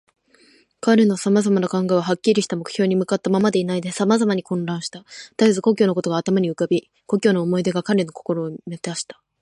彼のさまざまな考えは、はっきりした目標に向ったままでいないで、さまざまに混乱した。たえず故郷のことが頭に浮かび、故郷の思い出が彼の心をみたした。